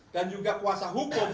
dan juga kuasa hukum